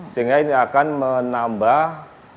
sehingga ini akan menambah